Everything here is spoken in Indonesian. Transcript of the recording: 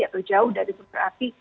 atau jauh dari gunung api